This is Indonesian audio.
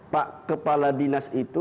pak kepala dinas itu